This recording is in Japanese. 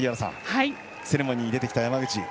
セレモニーに出てきた山口。